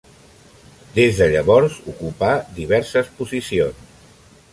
Des de llavors, ocupà diverses posicions.